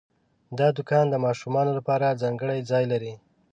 دا دوکان د ماشومانو لپاره ځانګړی ځای لري.